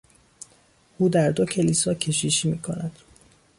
او در دو کلیسا کشیشی میکند.